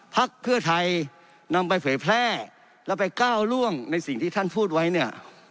พักเพื่อไทยนำไปเผยแพร่แล้วไปก้าวล่วงในสิ่งที่ท่านพูดไว้เนี่ย